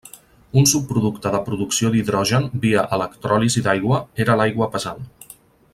Un subproducte de producció d'hidrogen via electròlisi d'aigua era l'aigua pesant.